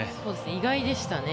意外でしたね。